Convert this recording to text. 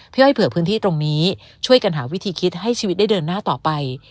อ้อยเผื่อพื้นที่ตรงนี้ช่วยกันหาวิธีคิดให้ชีวิตได้เดินหน้าต่อไป